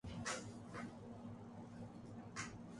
نام نہاد جہاد کے دن گئے۔